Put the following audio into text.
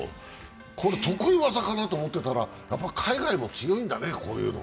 これ得意技かなと思ってたら、やっぱり海外も強いんだね、こういうの。